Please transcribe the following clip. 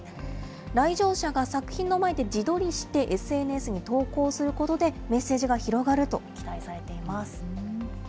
来場者が作品の前で自撮りしてＳＮＳに投稿することで、メッセージが広がると期待されています。